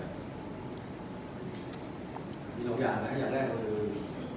ก็มีโดขอย่างมันคือ